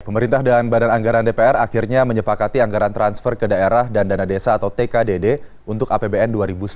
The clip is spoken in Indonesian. pemerintah dan badan anggaran dpr akhirnya menyepakati anggaran transfer ke daerah dan dana desa atau tkdd untuk apbn dua ribu sembilan belas